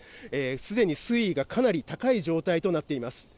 すでに水位がかなり高い状態となっています。